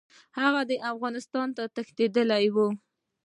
هغه افغانستان ته تښتېدلی وو.